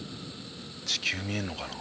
地球見えるのかな？